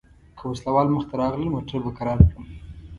که وسله وال مخته راغلل موټر به کرار کړم.